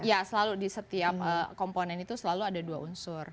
ya selalu di setiap komponen itu selalu ada dua unsur